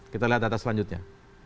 kita lihat data selanjutnya